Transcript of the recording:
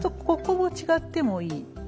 ここも違ってもいい。